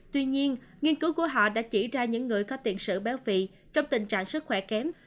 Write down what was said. tuy nhiên nghiên cứu của họ đã chỉ ra những người có tiền sử béo phì trong tình trạng sức khỏe kém